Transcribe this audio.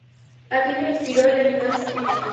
Aquello le inspiró y le animó a escribir.